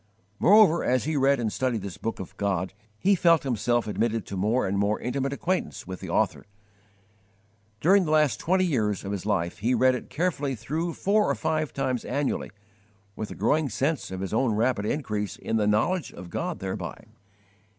Moreover, as he read and studied this Book of God, he felt himself admitted to more and more intimate acquaintance with the Author. During the last twenty years of his life he read it carefully through, four or five times annually, with a growing sense of his own rapid increase in the knowledge of God thereby.